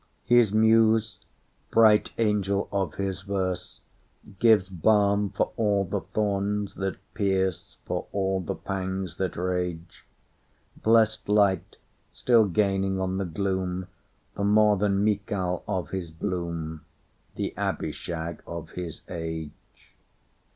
His muse, bright angel of his verse, Gives balm for all the thorns that pierce, For all the pangs that rage; Blest light, still gaining on the gloom, The more than Michal of his bloom, The Abishag of his age.